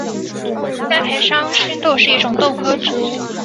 栽培山黧豆是一种豆科植物。